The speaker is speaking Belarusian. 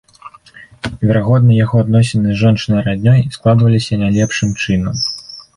Верагодна яго адносіны з жончынай раднёй складваліся нялепшым чынам.